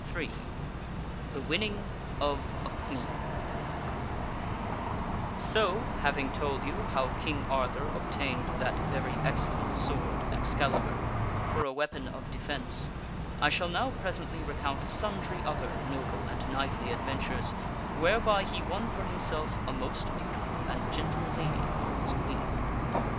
PART III The Winning of a Queen O, having told you how King Arthur obtained that very excellent sword, Excalibur, for a weapon of defence, I shall now presently recount sundry other noble and knightly adventures whereby he won for himself a most beauti ful and gentle lady for his Queen.